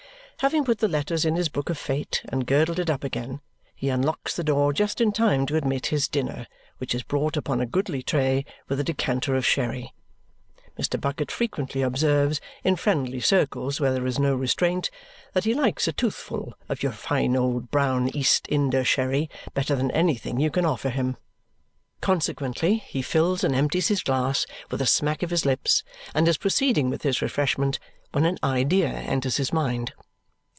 Having put the letters in his book of fate and girdled it up again, he unlocks the door just in time to admit his dinner, which is brought upon a goodly tray with a decanter of sherry. Mr. Bucket frequently observes, in friendly circles where there is no restraint, that he likes a toothful of your fine old brown East Inder sherry better than anything you can offer him. Consequently he fills and empties his glass with a smack of his lips and is proceeding with his refreshment when an idea enters his mind.